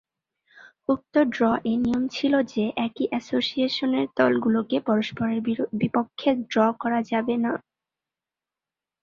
উক্ত ড্র-এ নিয়ম ছিল যে একই এসোসিয়েশনের দলগুলোকে পরস্পরের বিপক্ষে ড্র করা যাবে না।